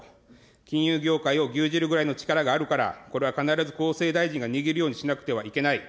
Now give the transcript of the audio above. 金融業界を牛耳るぐらいの力があるから、これは必ず厚生大臣が握るようにしなくてはいけない。